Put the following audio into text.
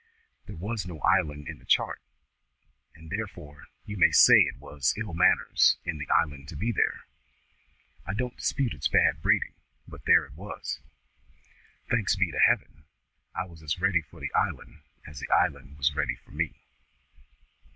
There was no island in the chart, and, therefore, you may say it was ill manners in the island to be there; I don't dispute its bad breeding, but there it was. Thanks be to Heaven, I was as ready for the island as the island was ready for me.